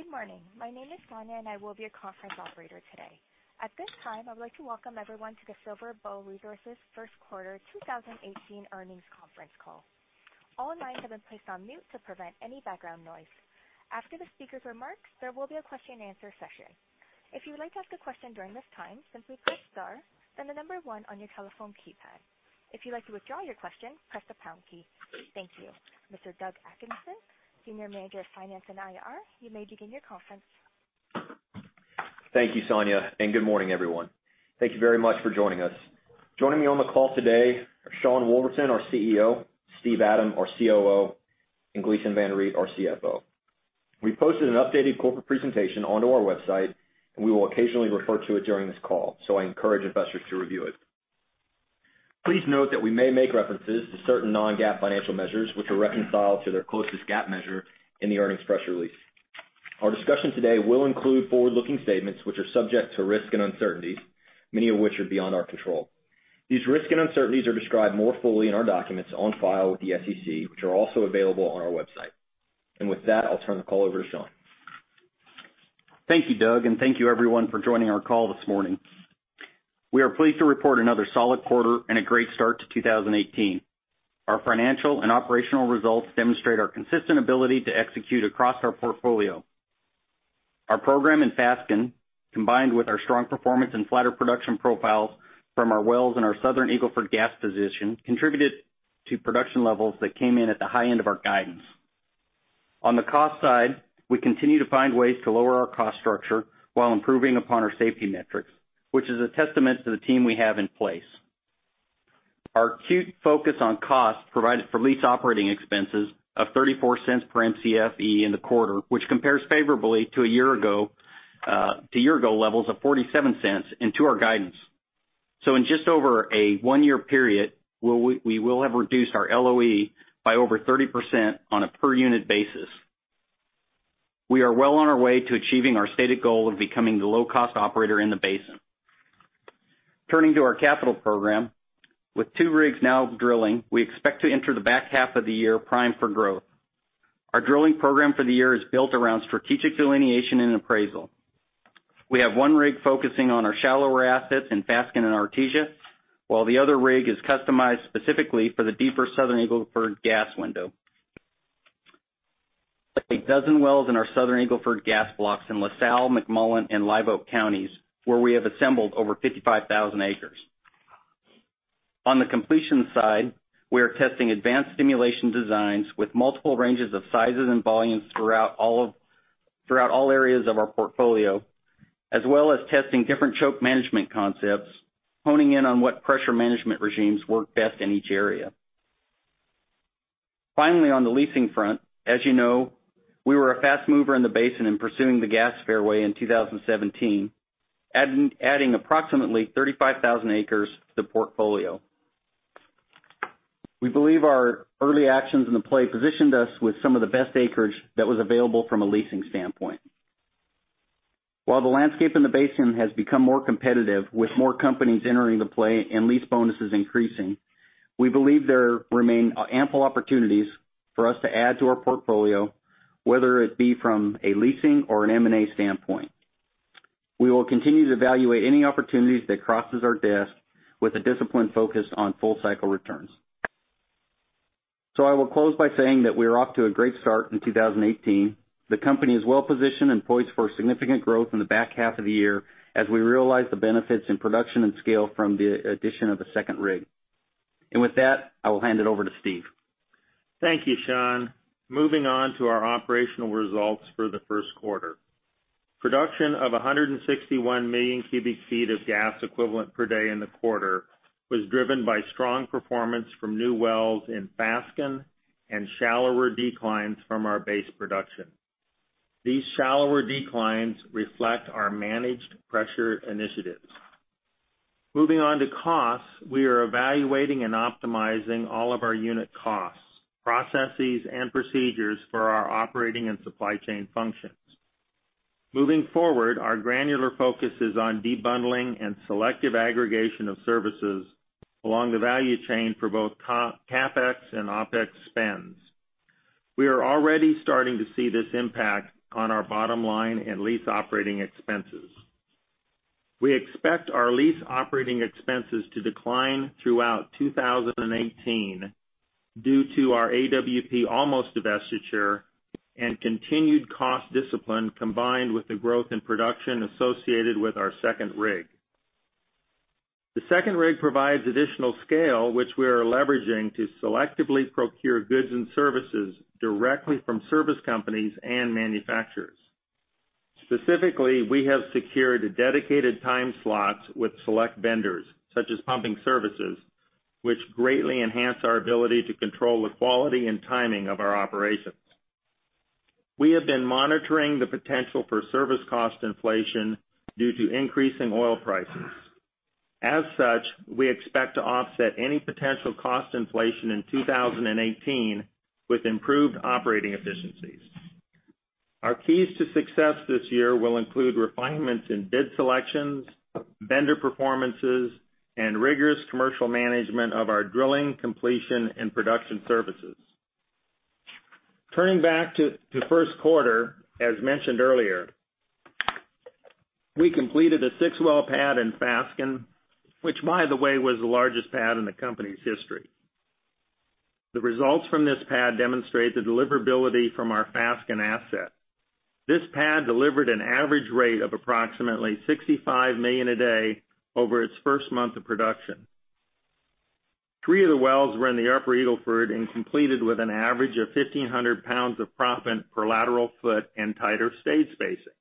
Good morning. My name is Sonia, and I will be your conference operator today. At this time, I would like to welcome everyone to the SilverBow Resources first quarter 2018 earnings conference call. All lines have been placed on mute to prevent any background noise. After the speaker's remarks, there will be a question and answer session. If you would like to ask a question during this time, simply press star, then the number one on your telephone keypad. If you'd like to withdraw your question, press the pound key. Thank you. Mr. Jeff Magids, Senior Manager of Finance and IR, you may begin your conference. Thank you, Sonia, good morning, everyone. Thank you very much for joining us. Joining me on the call today are Sean Woolverton, our CEO, Steve Adam, our COO, and Gleeson Van Riet, our CFO. We posted an updated corporate presentation onto our website. We will occasionally refer to it during this call, so I encourage investors to review it. Please note that we may make references to certain non-GAAP financial measures, which are reconciled to their closest GAAP measure in the earnings press release. Our discussion today will include forward-looking statements, which are subject to risk and uncertainty, many of which are beyond our control. These risks and uncertainties are described more fully in our documents on file with the SEC, which are also available on our website. With that, I'll turn the call over to Sean. Thank you, Jeff, thank you everyone for joining our call this morning. We are pleased to report another solid quarter and a great start to 2018. Our financial and operational results demonstrate our consistent ability to execute across our portfolio. Our program in Fasken, combined with our strong performance and flatter production profiles from our wells in our Southern Eagle Ford gas position, contributed to production levels that came in at the high end of our guidance. On the cost side, we continue to find ways to lower our cost structure while improving upon our safety metrics, which is a testament to the team we have in place. Our acute focus on cost provided for lease operating expenses of $0.34 per MCFE in the quarter, which compares favorably to a year ago levels of $0.47 and to our guidance. In just over a one-year period, we will have reduced our LOE by over 30% on a per-unit basis. We are well on our way to achieving our stated goal of becoming the low-cost operator in the basin. Turning to our capital program. With two rigs now drilling, we expect to enter the back half of the year primed for growth. Our drilling program for the year is built around strategic delineation and appraisal. We have one rig focusing on our shallower assets in Fasken and Artesia, while the other rig is customized specifically for the deeper Southern Eagle Ford gas window. A dozen wells in our Southern Eagle Ford gas blocks in La Salle, McMullen, and Live Oak counties, where we have assembled over 55,000 acres. On the completion side, we are testing advanced stimulation designs with multiple ranges of sizes and volumes throughout all areas of our portfolio, as well as testing different choke management concepts, honing in on what pressure management regimes work best in each area. Finally, on the leasing front, as you know, we were a fast mover in the basin in pursuing the gas fairway in 2017, adding approximately 35,000 acres to the portfolio. We believe our early actions in the play positioned us with some of the best acreage that was available from a leasing standpoint. While the landscape in the basin has become more competitive with more companies entering the play and lease bonuses increasing, we believe there remain ample opportunities for us to add to our portfolio, whether it be from a leasing or an M&A standpoint. We will continue to evaluate any opportunities that crosses our desk with a disciplined focus on full cycle returns. I will close by saying that we are off to a great start in 2018. The company is well-positioned and poised for significant growth in the back half of the year as we realize the benefits in production and scale from the addition of a second rig. With that, I will hand it over to Steve. Thank you, Sean. Moving on to our operational results for the first quarter. Production of 161 million cubic feet of gas equivalent per day in the quarter was driven by strong performance from new wells in Fasken and shallower declines from our base production. These shallower declines reflect our managed pressure initiatives. Moving on to costs. We are evaluating and optimizing all of our unit costs, processes, and procedures for our operating and supply chain functions. Moving forward, our granular focus is on debundling and selective aggregation of services along the value chain for both CapEx and OpEx spends. We are already starting to see this impact on our bottom line and lease operating expenses. We expect our lease operating expenses to decline throughout 2018 due to our AWP Olmos divestiture and continued cost discipline, combined with the growth in production associated with our second rig. The second rig provides additional scale, which we are leveraging to selectively procure goods and services directly from service companies and manufacturers. Specifically, we have secured dedicated time slots with select vendors, such as pumping services, which greatly enhance our ability to control the quality and timing of our operations. We have been monitoring the potential for service cost inflation due to increasing oil prices. As such, we expect to offset any potential cost inflation in 2018 with improved operating efficiencies. Our keys to success this year will include refinements in bid selections, vendor performances, and rigorous commercial management of our drilling, completion, and production services. Turning back to first quarter, as mentioned earlier, we completed a six-well pad in Fasken, which by the way, was the largest pad in the company's history. The results from this pad demonstrate the deliverability from our Fasken asset. This pad delivered an average rate of approximately 65 million a day over its first month of production. Three of the wells were in the Upper Eagle Ford and completed with an average of 1,500 pounds of proppant per lateral foot and tighter stage spacing.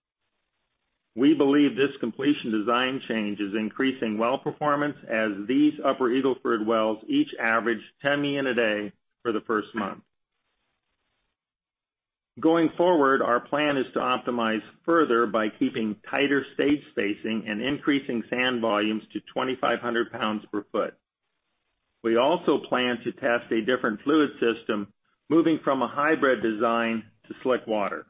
We believe this completion design change is increasing well performance as these Upper Eagle Ford wells each average 10 million a day for the first month. Going forward, our plan is to optimize further by keeping tighter stage spacing and increasing sand volumes to 2,500 pounds per foot. We also plan to test a different fluid system, moving from a hybrid design to slick water.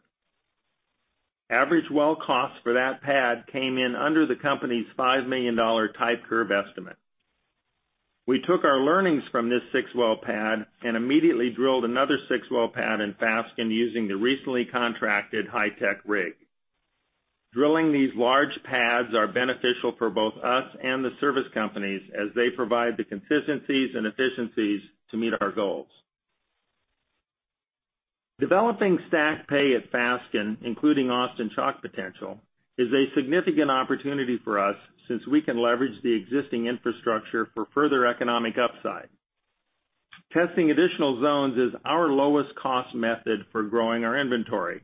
Average well cost for that pad came in under the company's $5 million type curve estimate. We took our learnings from this six-well pad and immediately drilled another six-well pad in Fasken using the recently contracted high-tech rig. Drilling these large pads are beneficial for both us and the service companies as they provide the consistencies and efficiencies to meet our goals. Developing STACK Play at Fasken, including Austin Chalk potential, is a significant opportunity for us since we can leverage the existing infrastructure for further economic upside. Testing additional zones is our lowest cost method for growing our inventory.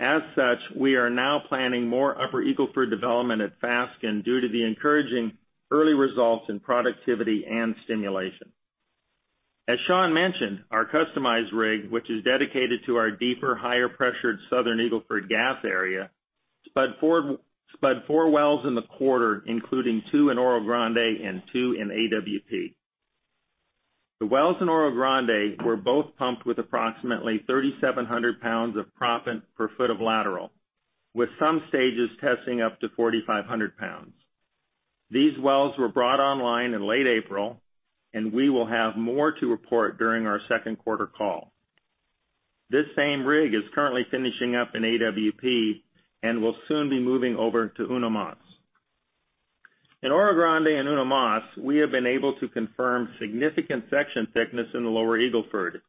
As such, we are now planning more Upper Eagle Ford development at Fasken due to the encouraging early results in productivity and stimulation. As Sean mentioned, our customized rig, which is dedicated to our deeper, higher pressured Southern Eagle Ford gas area, spud four wells in the quarter, including two in Oro Grande and two in AWP. The wells in Oro Grande were both pumped with approximately 3,700 pounds of proppant per foot of lateral, with some stages testing up to 4,500 pounds. These wells were brought online in late April, and we will have more to report during our second quarter call. This same rig is currently finishing up in AWP and will soon be moving over to Uno Mas. In Oro Grande and Uno Mas, we have been able to confirm significant section thickness in the Lower Eagle Ford,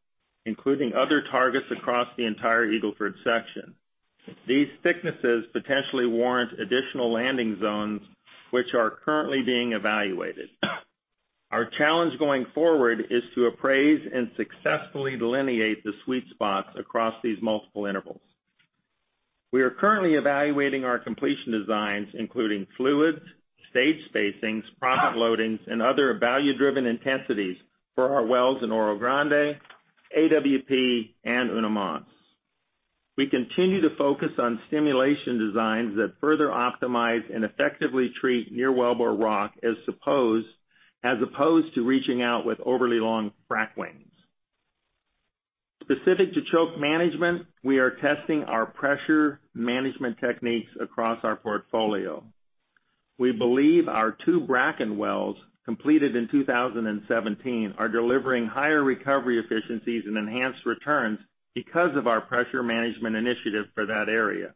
including other targets across the entire Eagle Ford section. These thicknesses potentially warrant additional landing zones, which are currently being evaluated. Our challenge going forward is to appraise and successfully delineate the sweet spots across these multiple intervals. We are currently evaluating our completion designs, including fluids, stage spacings, proppant loadings, and other value-driven intensities for our wells in Oro Grande, AWP, and Uno Mas. We continue to focus on stimulation designs that further optimize and effectively treat near wellbore rock as opposed to reaching out with overly long frack wings. Specific to choke management, we are testing our pressure management techniques across our portfolio. We believe our two Bracken wells, completed in 2017, are delivering higher recovery efficiencies and enhanced returns because of our pressure management initiative for that area.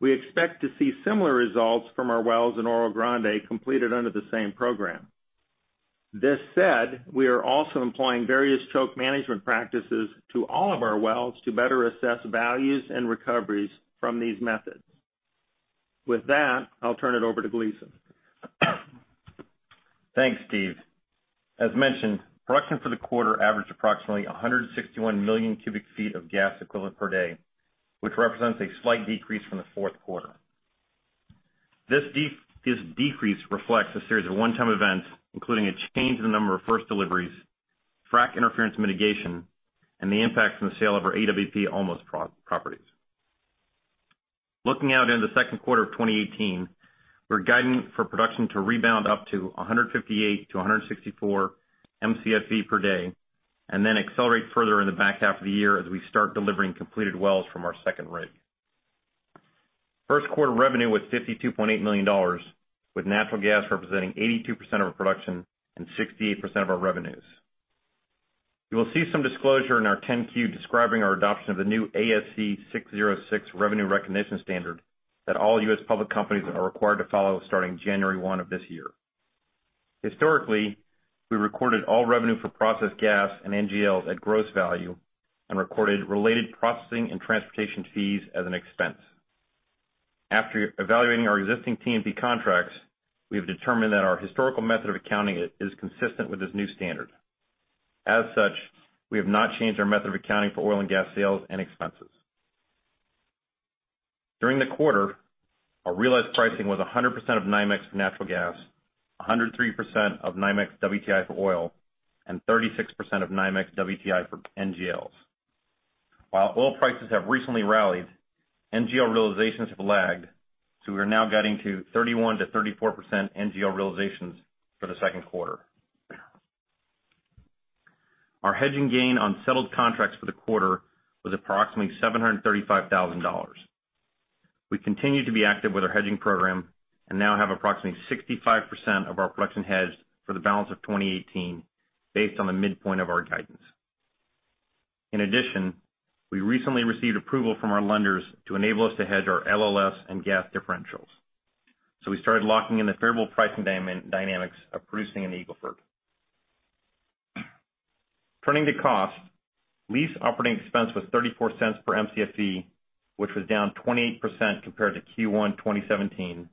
We expect to see similar results from our wells in Oro Grande completed under the same program. This said, we are also employing various choke management practices to all of our wells to better assess values and recoveries from these methods. With that, I'll turn it over to Gleeson. Thanks, Steve. As mentioned, production for the quarter averaged approximately 161 million cubic feet of gas equivalent per day, which represents a slight decrease from the fourth quarter. This decrease reflects a series of one-time events, including a change in the number of first deliveries, frack interference mitigation, and the impact from the sale of our AWP Olmos properties. Looking out into the second quarter of 2018, we're guiding for production to rebound up to 158 to 164 Mcfe per day, and then accelerate further in the back half of the year as we start delivering completed wells from our second rig. First quarter revenue was $52.8 million, with natural gas representing 82% of our production and 68% of our revenues. You will see some disclosure in our 10-Q describing our adoption of the new ASC 606 revenue recognition standard that all U.S. public companies are required to follow starting January 1 of this year. Historically, we recorded all revenue for processed gas and NGLs at gross value and recorded related processing and transportation fees as an expense. After evaluating our existing G&P contracts, we have determined that our historical method of accounting is consistent with this new standard. As such, we have not changed our method of accounting for oil and gas sales and expenses. During the quarter, our realized pricing was 100% of NYMEX natural gas, 103% of NYMEX WTI for oil, and 36% of NYMEX WTI for NGLs. While oil prices have recently rallied, NGL realizations have lagged. We are now guiding to 31%-34% NGL realizations for the second quarter. Our hedging gain on settled contracts for the quarter was approximately $735,000. We continue to be active with our hedging program and now have approximately 65% of our production hedged for the balance of 2018 based on the midpoint of our guidance. In addition, we recently received approval from our lenders to enable us to hedge our LLS and gas differentials. We started locking in the favorable pricing dynamics of producing in the Eagle Ford. Turning to cost, lease operating expense was $0.34 per Mcfe, which was down 28% compared to Q1 2017,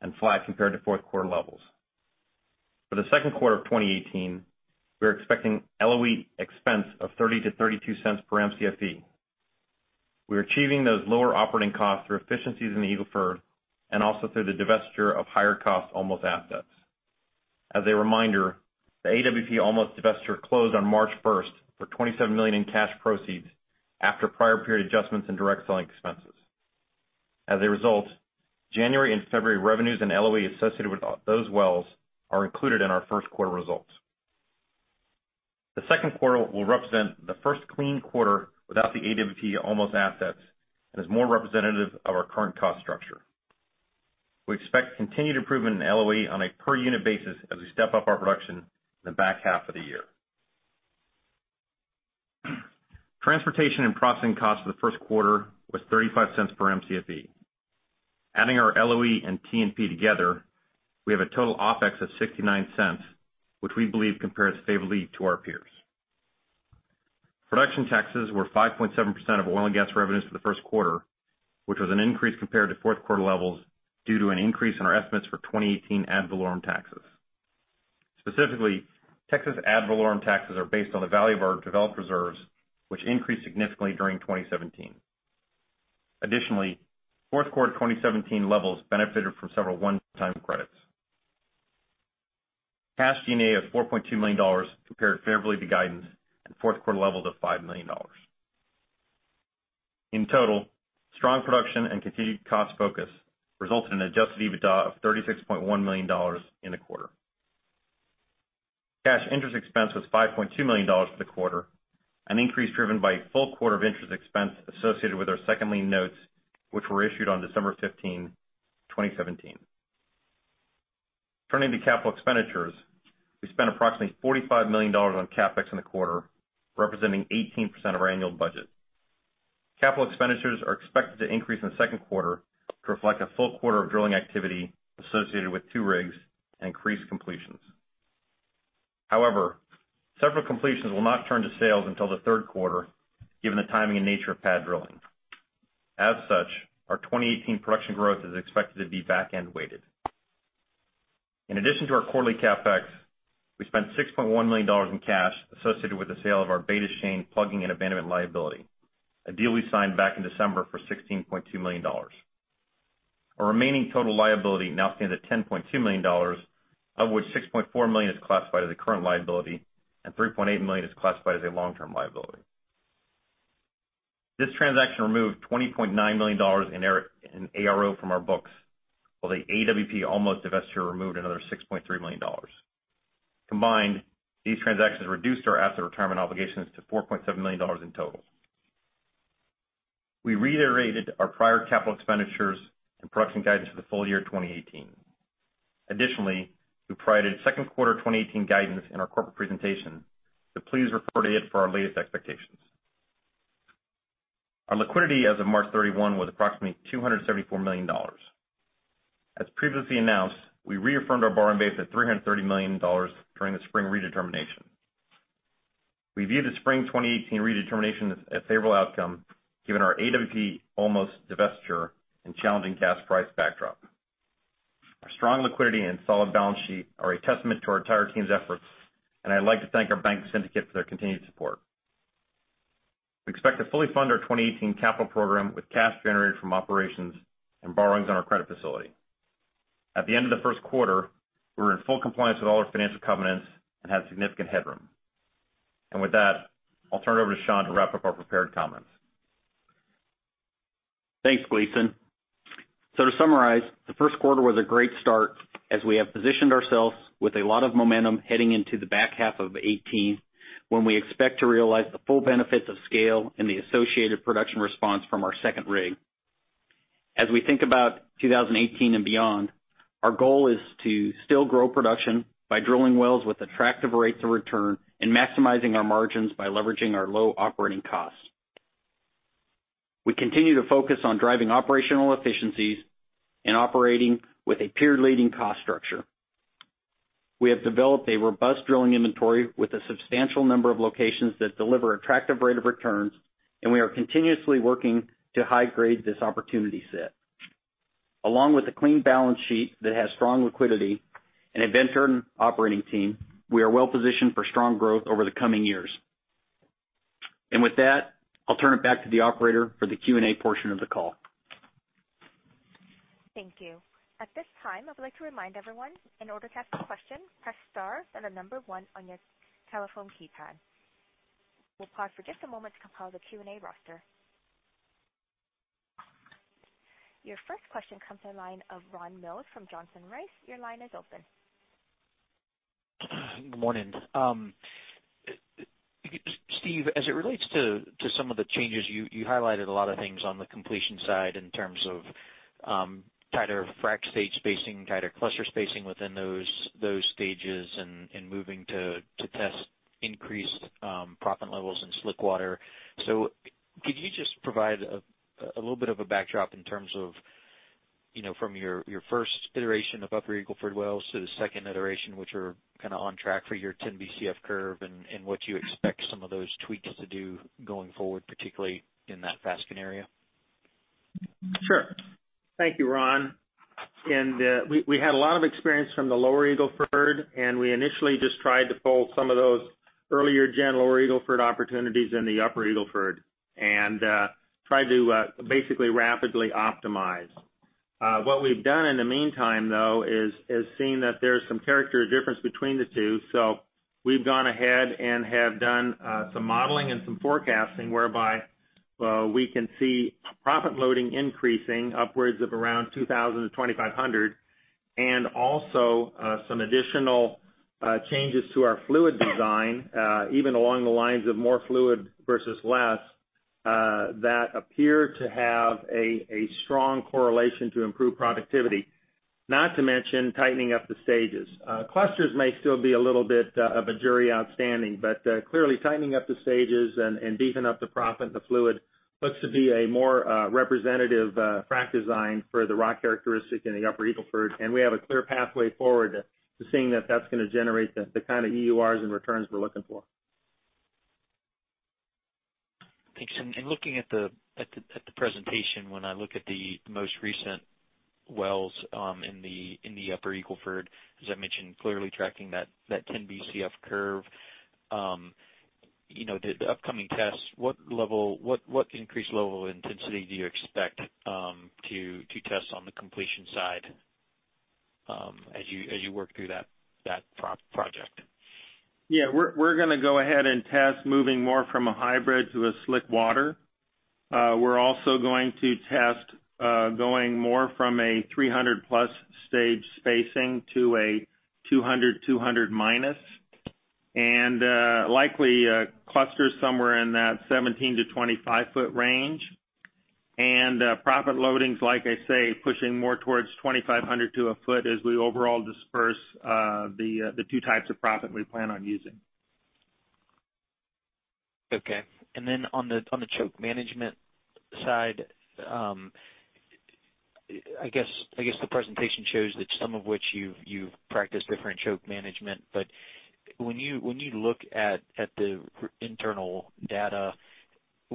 and flat compared to fourth quarter levels. For the second quarter of 2018, we are expecting LOE expense of $0.30-$0.32 per Mcfe. We are achieving those lower operating costs through efficiencies in the Eagle Ford and also through the divestiture of higher cost Olmos assets. As a reminder, the AWP Olmos divestiture closed on March 1st for $27 million in cash proceeds after prior period adjustments and direct selling expenses. As a result, January and February revenues and LOE associated with those wells are included in our first quarter results. The second quarter will represent the first clean quarter without the AWP Olmos assets and is more representative of our current cost structure. We expect continued improvement in LOE on a per unit basis as we step up our production in the back half of the year. Transportation and processing costs for the first quarter was $0.35 per Mcfe. Adding our LOE and T&P together, we have a total OpEx of $0.69, which we believe compares favorably to our peers. Production taxes were 5.7% of oil and gas revenues for the first quarter, which was an increase compared to fourth quarter levels due to an increase in our estimates for 2018 ad valorem taxes. Specifically, Texas ad valorem taxes are based on the value of our developed reserves, which increased significantly during 2017. Additionally, fourth quarter 2017 levels benefited from several one-time credits. Cash G&A of $4.2 million compared favorably to guidance and fourth quarter levels of $5 million. In total, strong production and continued cost focus resulted in an adjusted EBITDA of $36.1 million in the quarter. Cash interest expense was $5.2 million for the quarter, an increase driven by a full quarter of interest expense associated with our second lien notes, which were issued on December 15, 2017. Turning to capital expenditures, we spent approximately $45 million on CapEx in the quarter, representing 18% of our annual budget. Capital expenditures are expected to increase in the second quarter to reflect a full quarter of drilling activity associated with two rigs and increased completions. However, several completions will not turn to sales until the third quarter, given the timing and nature of pad drilling. As such, our 2018 production growth is expected to be back-end weighted. In addition to our quarterly CapEx, we spent $6.1 million in cash associated with the sale of our Beta Shain plugging and abandonment liability, a deal we signed back in December for $16.2 million. Our remaining total liability now stands at $10.2 million, of which $6.4 million is classified as a current liability and $3.8 million is classified as a long-term liability. This transaction removed $20.9 million in ARO from our books, while the AWP Olmos divestiture removed another $6.3 million. Combined, these transactions reduced our asset retirement obligations to $4.7 million in total. We reiterated our prior capital expenditures and production guidance for the full year 2018. Additionally, we provided second quarter 2018 guidance in our corporate presentation, so please refer to it for our latest expectations. Our liquidity as of March 31 was approximately $274 million. As previously announced, we reaffirmed our borrowing base at $330 million during the spring redetermination. We view the spring 2018 redetermination as a favorable outcome given our AWP Olmos divestiture and challenging gas price backdrop. Our strong liquidity and solid balance sheet are a testament to our entire team's efforts, and I'd like to thank our bank syndicate for their continued support. We expect to fully fund our 2018 capital program with cash generated from operations and borrowings on our credit facility. At the end of the first quarter, we were in full compliance with all our financial covenants and had significant headroom. With that, I'll turn it over to Sean to wrap up our prepared comments. Thanks, Gleeson. To summarize, the first quarter was a great start as we have positioned ourselves with a lot of momentum heading into the back half of 2018 when we expect to realize the full benefits of scale and the associated production response from our second rig. As we think about 2018 and beyond, our goal is to still grow production by drilling wells with attractive rate of returns and maximizing our margins by leveraging our low operating costs. We continue to focus on driving operational efficiencies and operating with a peer-leading cost structure. We have developed a robust drilling inventory with a substantial number of locations that deliver attractive rate of returns, and we are continuously working to high-grade this opportunity set. Along with a clean balance sheet that has strong liquidity, an inventured operating team, we are well positioned for strong growth over the coming years. With that, I'll turn it back to the operator for the Q&A portion of the call. Thank you. At this time, I would like to remind everyone, in order to ask a question, press star, then the number 1 on your telephone keypad. We'll pause for just a moment to compile the Q&A roster. Your first question comes to the line of Ron Mills from Johnson Rice. Your line is open. Good morning. Steve, as it relates to some of the changes, you highlighted a lot of things on the completion side in terms of tighter frac stage spacing, tighter cluster spacing within those stages, and moving to test increased proppant levels in slick water. Could you just provide a little bit of a backdrop in terms of from your first iteration of Upper Eagle Ford wells to the second iteration, which are on track for your 10 Bcf curve, and what you expect some of those tweaks to do going forward, particularly in that Fasken area? Sure. Thank you, Ron. We had a lot of experience from the Lower Eagle Ford, we initially just tried to pull some of those earlier gen Lower Eagle Ford opportunities in the Upper Eagle Ford and tried to basically rapidly optimize. What we've done in the meantime, though, is seen that there's some character difference between the two. We've gone ahead and have done some modeling and some forecasting whereby we can see proppant loading increasing upwards of around 2,000 to 2,500, and also some additional changes to our fluid design, even along the lines of more fluid versus less, that appear to have a strong correlation to improved productivity. Not to mention tightening up the stages. Clusters may still be a little bit of a jury outstanding, clearly tightening up the stages and beefing up the proppant, the fluid looks to be a more representative frac design for the rock characteristic in the Upper Eagle Ford, we have a clear pathway forward to seeing that that's going to generate the kind of EURs and returns we're looking for. Thanks. In looking at the presentation, when I look at the most recent wells in the Upper Eagle Ford, as I mentioned, clearly tracking that 10 Bcf curve. The upcoming tests, what increased level of intensity do you expect to test on the completion side as you work through that project? We're going to go ahead and test moving more from a hybrid to a slick water. We're also going to test going more from a 300-plus stage spacing to a 200 minus, and likely a cluster somewhere in that 17 to 25 foot range. Proppant loading, like I say, pushing more towards 2,500 to a foot as we overall disperse the 2 types of proppant we plan on using. Okay. On the choke management side, I guess the presentation shows that some of which you've practiced different choke management. When you look at the internal data,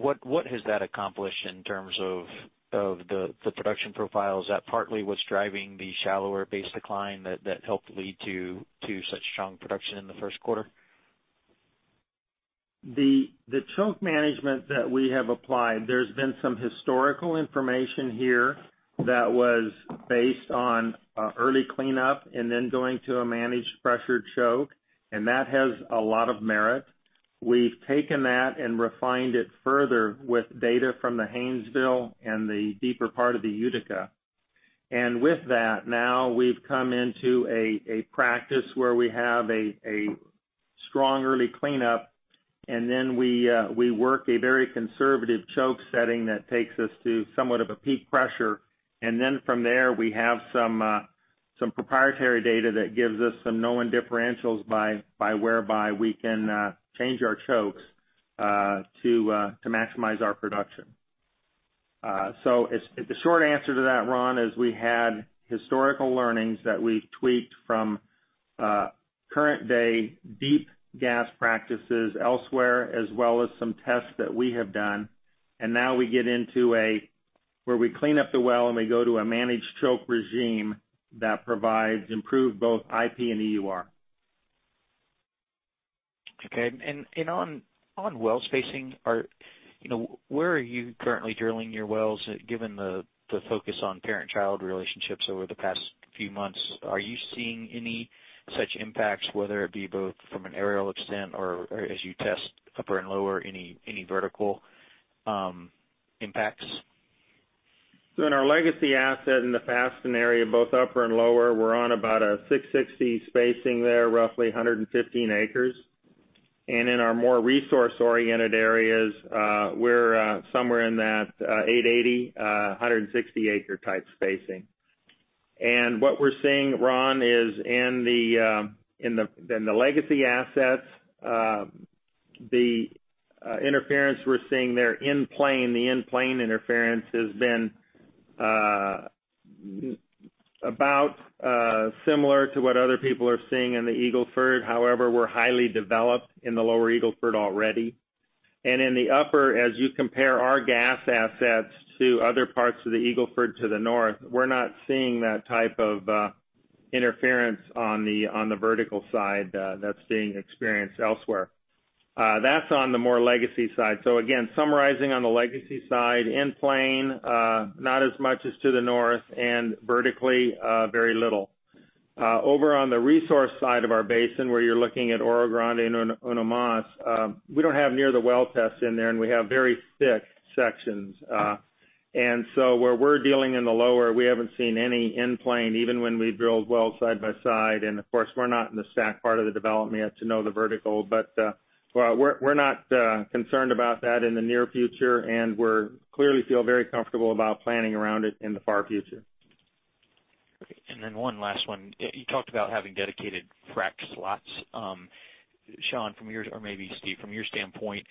what has that accomplished in terms of the production profiles? Is that partly what's driving the shallower base decline that helped lead to such strong production in the first quarter? The choke management that we have applied, there's been some historical information here that was based on early cleanup and then going to a managed pressured choke, that has a lot of merit. We've taken that and refined it further with data from the Haynesville and the deeper part of the Utica. With that, now we've come into a practice where we have a strong early cleanup, we work a very conservative choke setting that takes us to somewhat of a peak pressure, then from there, we have some proprietary data that gives us some known differentials whereby we can change our chokes to maximize our production. The short answer to that, Ron, is we had historical learnings that we've tweaked from current day deep gas practices elsewhere, as well as some tests that we have done. Now we get into where we clean up the well, we go to a managed choke regime that provides improved both IP and EUR. Okay. On well spacing, where are you currently drilling your wells? Given the focus on parent-child relationships over the past few months, are you seeing any such impacts, whether it be both from an aerial extent or as you test upper and lower, any vertical impacts? In our legacy asset in the Fasken area, both upper and lower, we're on about a 660 spacing there, roughly 115 acres. In our more resource-oriented areas, we're somewhere in that 880, 160 acre type spacing. What we're seeing, Ron, is in the legacy assets, the interference we're seeing there in plane, the in-plane interference has been about similar to what other people are seeing in the Eagle Ford. However, we're highly developed in the Lower Eagle Ford already. In the upper, as you compare our gas assets to other parts of the Eagle Ford to the north, we're not seeing that type of interference on the vertical side that's being experienced elsewhere. That's on the more legacy side. Again, summarizing on the legacy side, in plane, not as much as to the north, and vertically, very little. Over on the resource side of our basin, where you're looking at Oro Grande and Uno Mas, we don't have near the well test in there, and we have very thick sections. Where we're dealing in the lower, we haven't seen any in plane, even when we drilled wells side by side. Of course, we're not in the STACK part of the development yet to know the vertical. But we're not concerned about that in the near future, and we clearly feel very comfortable about planning around it in the far future. Okay. One last one. You talked about having dedicated frack slots. Sean, from your, or maybe Steve, from your standpoint,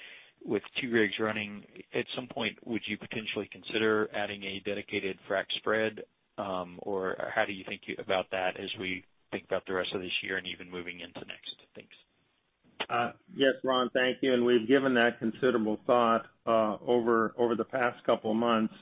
with two rigs running, at some point, would you potentially consider adding a dedicated frack spread? Or how do you think about that as we think about the rest of this year and even moving into next? Thanks. Yes, Ron, thank you. We've given that considerable thought over the past couple of months.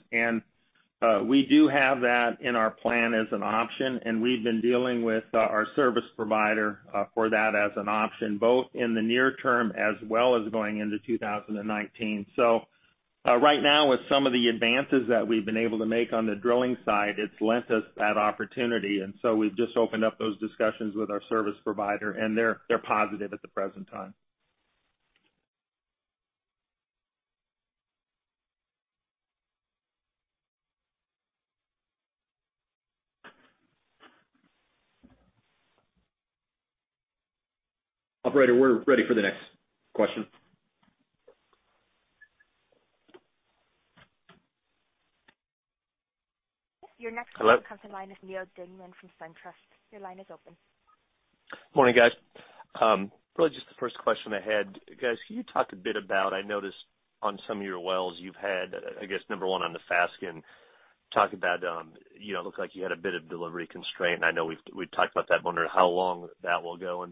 We do have that in our plan as an option, and we've been dealing with our service provider for that as an option, both in the near term as well as going into 2019. Right now, with some of the advances that we've been able to make on the drilling side, it's lent us that opportunity. We've just opened up those discussions with our service provider, and they're positive at the present time. Operator, we're ready for the next question. Your next call comes in line with Neal Dingmann from SunTrust. Your line is open. Morning, guys. Really just the first question I had. Guys, can you talk a bit about, I noticed on some of your wells you've had, I guess number 1 on the Fasken, talk about looked like you had a bit of delivery constraint, and I know we've talked about that, wondering how long that will go.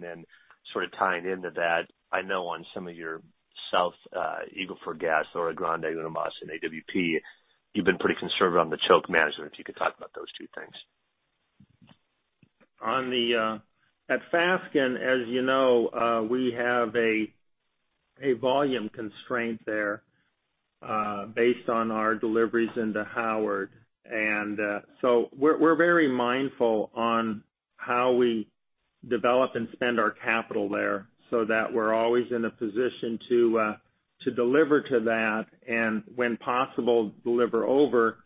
Sort of tying into that, I know on some of your South Eagle Ford gas or Oro Grande, Uno Mas, and AWP, you've been pretty conservative on the choke management. If you could talk about those two things. At Fasken, as you know, we have a volume constraint there based on our deliveries into Howard. We're very mindful on how we develop and spend our capital there so that we're always in a position to deliver to that and when possible, deliver over.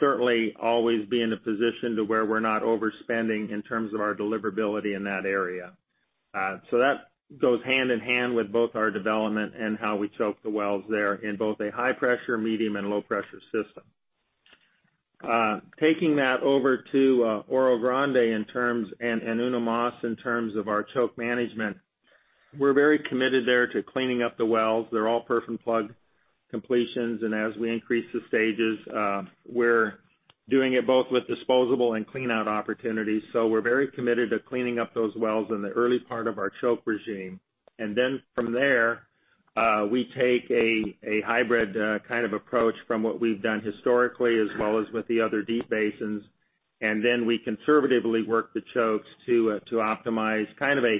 Certainly always be in a position to where we're not overspending in terms of our deliverability in that area. That goes hand in hand with both our development and how we choke the wells there in both a high pressure, medium, and low pressure system. Taking that over to Oro Grande and Uno Mas in terms of our choke management, we're very committed there to cleaning up the wells. They're all perf and plug completions, and as we increase the stages, we're doing it both with disposable and cleanout opportunities. We're very committed to cleaning up those wells in the early part of our choke regime. From there, we take a hybrid kind of approach from what we've done historically as well as with the other deep basins. We conservatively work the chokes to optimize kind of a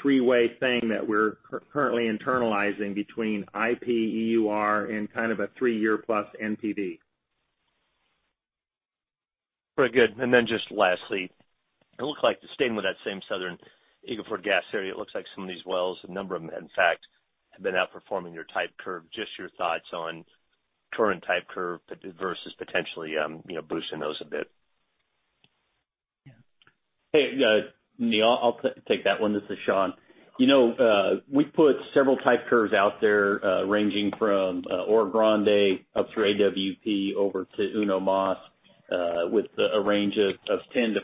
three-way thing that we're currently internalizing between IP, EUR, and kind of a three-year plus NPV. Very good. Just lastly, it looked like staying with that same Southern Eagle Ford gas area, it looks like some of these wells, a number of them in fact, have been outperforming your type curve. Just your thoughts on current type curve versus potentially boosting those a bit. Hey, Neal, I'll take that one. This is Sean. We've put several type curves out there ranging from Oro Grande up through AWP over to Uno Mas with a range of 10-14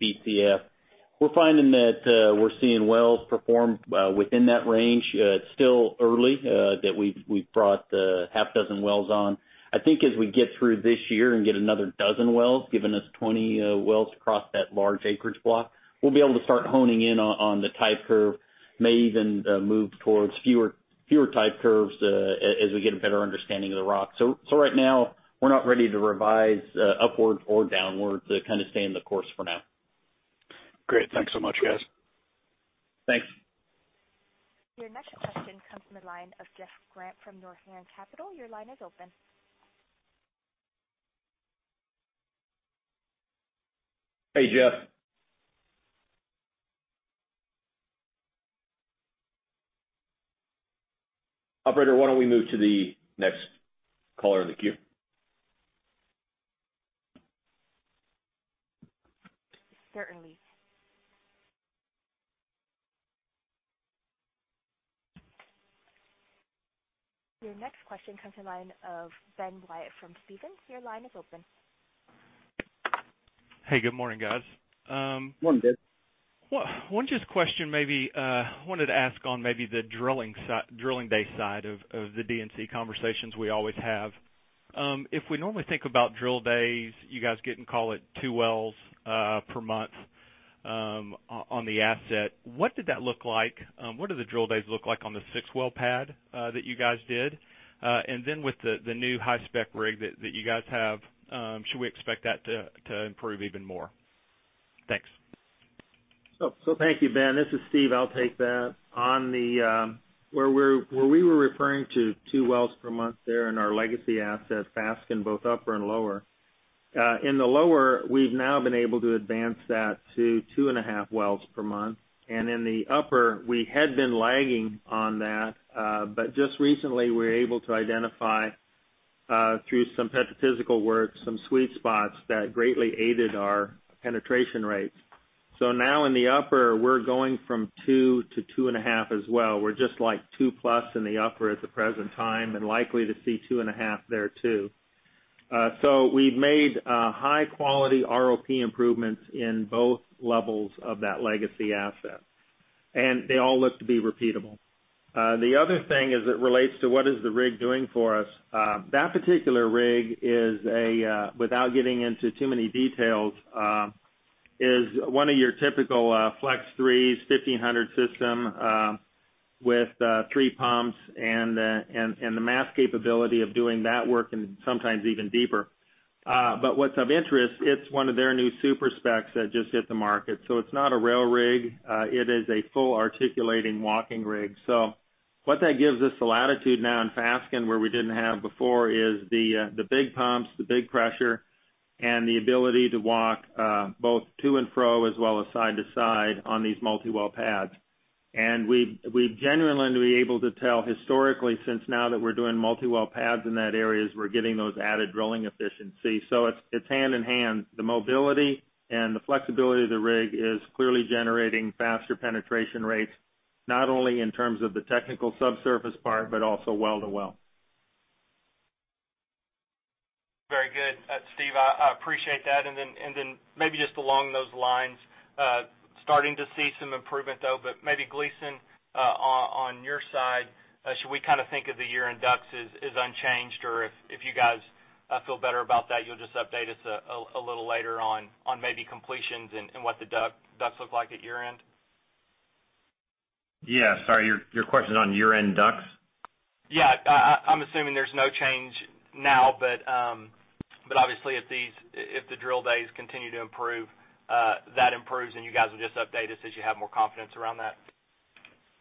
Bcf. We're finding that we're seeing wells perform within that range. It's still early that we've brought a half dozen wells on. I think as we get through this year and get another dozen wells, giving us 20 wells across that large acreage block, we'll be able to start honing in on the type curve. May even move towards fewer type curves as we get a better understanding of the rock. Right now, we're not ready to revise upwards or downwards. Kind of stay in the course for now. Great. Thanks so much, guys. Thanks. Your next question comes from the line of Jeff Grampp from Northland Capital. Your line is open. Hey, Jeff. Operator, why don't we move to the next caller in the queue? Certainly. Your next question comes from the line of Ben Wyatt from Stephens. Your line is open. Hey, good morning, guys. Morning, Ben. One just question, maybe. Wanted to ask on maybe the drilling base side of the D&C conversations we always have. If we normally think about drill days, you guys getting, call it, two wells per month on the asset. What did that look like? What do the drill days look like on the six-well pad that you guys did? With the new high-spec rig that you guys have, should we expect that to improve even more? Thanks. Thank you, Ben. This is Steve. I'll take that. Where we were referring to two wells per month there in our legacy asset, Fasken, both upper and lower. In the lower, we've now been able to advance that to two and a half wells per month. In the upper, we had been lagging on that. Just recently, we were able to identify, through some petrophysical work, some sweet spots that greatly aided our penetration rates. Now in the upper, we're going from two to two and a half as well. We're just two-plus in the upper at the present time, and likely to see two and a half there too. We've made high-quality ROP improvements in both levels of that legacy asset, and they all look to be repeatable. The other thing as it relates to what is the rig doing for us, that particular rig is a, without getting into too many details, is one of your typical Flex 3 1,500 system with three pumps and the mast capability of doing that work and sometimes even deeper. What's of interest, it's one of their new super specs that just hit the market. It's not a rail rig. It is a full articulating walking rig. What that gives us the latitude now in Fasken, where we didn't have before, is the big pumps, the big pressure, and the ability to walk both to and fro as well as side to side on these multi-well pads. We've genuinely been able to tell historically, since now that we're doing multi-well pads in that areas, we're getting those added drilling efficiency. It's hand in hand. The mobility and the flexibility of the rig is clearly generating faster penetration rates, not only in terms of the technical subsurface part, but also well to well. Very good. Steve, I appreciate that. Then maybe just along those lines, starting to see some improvement, though, but maybe, Gleeson, on your side, should we think of the year-end DUCs as unchanged? If you guys feel better about that, you'll just update us a little later on maybe completions and what the DUCs look like at year-end? Yeah. Sorry, your question on year-end DUCs? Yeah. I'm assuming there's no change now, obviously if the drill days continue to improve, that improves, you guys will just update us as you have more confidence around that.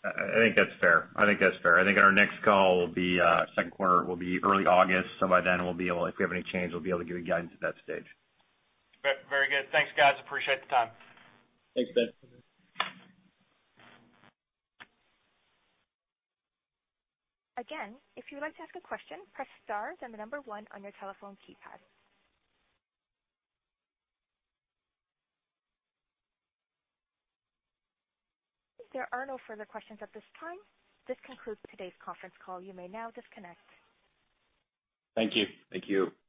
I think that's fair. I think at our next call, the second quarter will be early August. By then, if we have any change, we'll be able to give you guidance at that stage. Very good. Thanks, guys. Appreciate the time. Thanks, Ben. If you would like to ask a question, press star then the number 1 on your telephone keypad. If there are no further questions at this time, this concludes today's conference call. You may now disconnect. Thank you. Thank you.